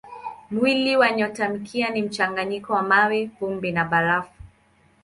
Mwili wa nyotamkia ni mchanganyiko wa mawe, vumbi na barafu.